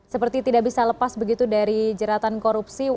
seperti tidak bisa lepas begitu dari jeratan korupsi